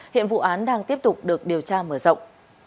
hiện vụ án đang tiếp tục được điều tra mở rộng